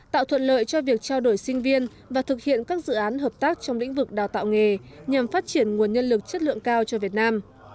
tạo thuận lợi cho việc trao đổi sinh viên và thực hiện các dự án hợp tác trong lĩnh vực đào tạo nghề nhằm phát triển nguồn nhân lực chất lượng cao cho việt nam